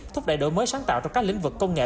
thúc đẩy đổi mới sáng tạo trong các lĩnh vực công nghệ